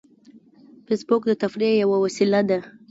فېسبوک د تفریح یوه وسیله ده